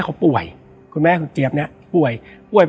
และวันนี้แขกรับเชิญที่จะมาเชิญที่เรา